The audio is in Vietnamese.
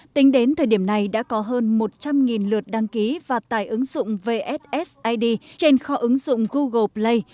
tính đến thời điểm này đã có hơn một trăm linh lượt đăng ký và tải ứng dụng vssid trên kho ứng dụng google play